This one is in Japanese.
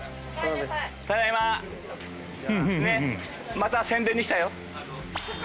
また宣伝に来たよ。